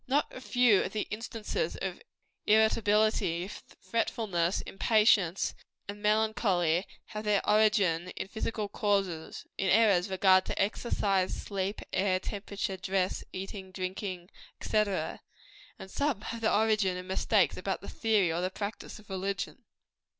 Not a few of the instances of irritability, fretfulness, impatience and melancholy, have their origin in physical causes in errors in regard to exercise, sleep, air, temperature, dress, eating, drinking, &c. and some have their origin in mistakes about the theory or the practice of religion.